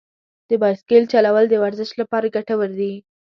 د بایسکل چلول د ورزش لپاره ګټور دي.